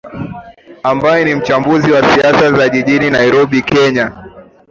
ambaye ni mchambuzi wa siasa za wa jijini nairobi kenya